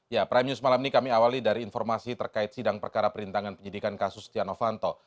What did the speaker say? ya prime news malam ini kami awali dari informasi terkait sidang perkara perintangan penyidikan kasus stiano fanto